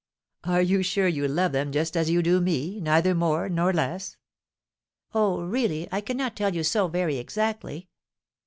"Are you sure you loved them just as you do me, neither more nor less?" "Oh, really, I cannot tell you so very exactly!